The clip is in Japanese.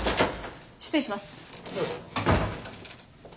失礼します。